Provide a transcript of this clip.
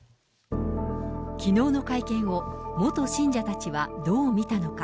きのうの会見を、元信者たちはどう見たのか。